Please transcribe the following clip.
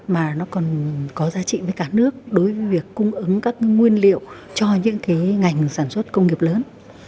mà nó còn có giá trị với cả nước đối với việc cung ứng các nguyên liệu cho những cái ngành sản xuất công nghiệp lớn